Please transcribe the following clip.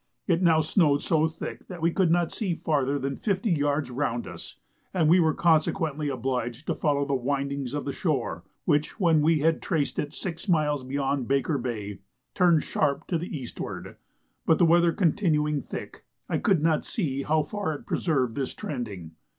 It now snowed so thick that we could not see farther than fifty yards round us, and we were consequently obliged to follow the windings of the shore, which, when we had traced it six miles beyond Baker Bay, turned sharp to the eastward; but the weather continuing thick, I could not see how far it preserved this trending.